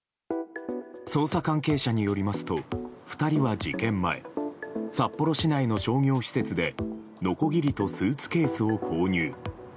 捜査関係者によりますと２人は事件前札幌市内の商業施設でのこぎりとスーツケースを購入。